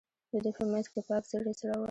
د دوی په منځ کې پاک زړي، زړه ور.